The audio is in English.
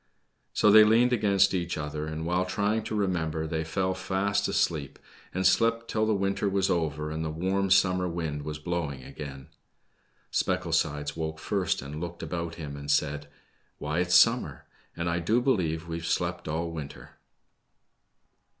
So they leaned against each other, and while try ing to remember, they fell fast asleep, and slept till the winter was over and the warm summer wind was blowing again. Specklesides awoke first, and looked about him and said, Why, it's summer, and I do believe we've slept all winter